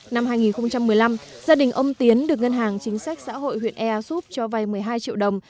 năm hai nghìn một mươi năm gia đình ông tiến được ngân hàng chính sách xã hội huyện ea súp cho vay một mươi hai triệu đồng